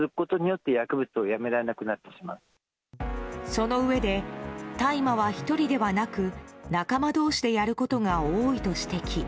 そのうえで大麻は１人ではなく仲間同士でやることが多いと指摘。